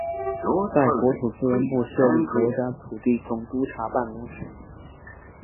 在国土资源部设立国家土地总督察办公室。